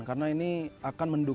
karena ini akan mendukung